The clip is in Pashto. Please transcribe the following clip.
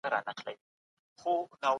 د سياستوالو دندي به تر کلکي څارني لاندي وي.